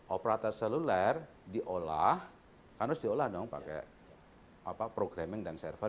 operator seluler diolah kan harus diolah dong